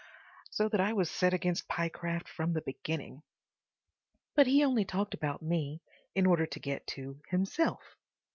So that I was set against Pyecraft from the beginning. But he only talked about me in order to get to himself.